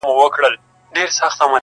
یارانو لوبه اوړي د اسمان څه به کوو؟،